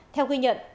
theo ghi nhận